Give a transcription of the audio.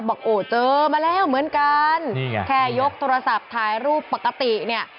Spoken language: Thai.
บอกโอ้เจอมาแล้วเหมือนกันนี่ไงแค่ยกโทรศัพท์ถ่ายรูปปกติเนี่ย